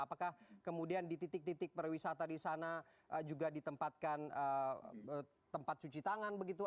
apakah kemudian di titik titik perwisata di sana juga ditempatkan tempat cuci tangan begitu